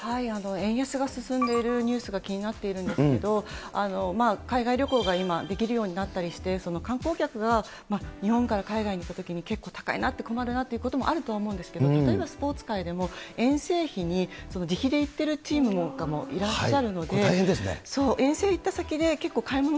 円安が進んでいるニュースが気になっているんですけれども、海外旅行が今、できるようになったりして、観光客が日本から海外に行ったときに、結構高いなって、困るなっていうこともあるとは思うんですけど、例えばスポーツ界でも、遠征費に、自費で行ってるチームなんかもいらっしゃるので。